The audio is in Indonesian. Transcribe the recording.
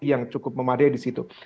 yang cukup memadai di situ